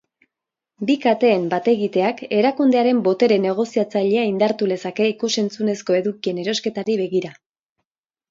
Bi kateen bat egiteak erakundearen botere negoziatzailea indartu lezake ikus-entzunezko edukien erosketari begira.